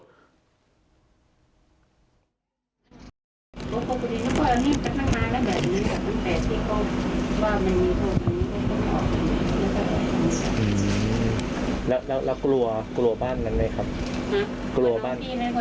อย่างงี้ไม่ได้ใจพ่อของฉันและพ่อพ่อกลัวเขา